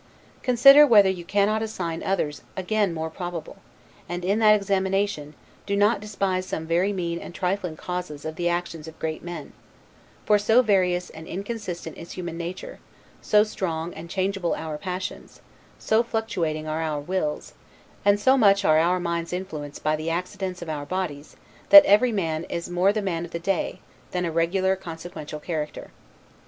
Consider whether you cannot assign others more probable; and in that examination, do not despise some very mean and trifling causes of the actions of great men; for so various and inconsistent is human nature, so strong and changeable are our passions, so fluctuating are our wills, and so much are our minds influenced by the accidents of our bodies that every man is more the man of the day, than a regular consequential character.